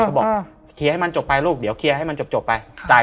เขาบอกเคลียร์ให้มันจบไปลูกเดี๋ยวเคลียร์ให้มันจบไปจ่าย